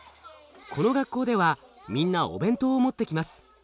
この学校ではみんなお弁当を持ってきます。